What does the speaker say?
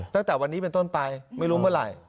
ตั้งแต่วันนี้เป็นต้นไปไม่รู้เมื่อไหร่